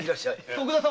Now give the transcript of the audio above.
徳田様。